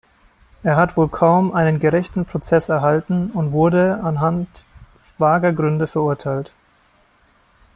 Er hat wohl kaum einen gerechten Prozess erhalten und wurde anhand vager Gründe verurteilt.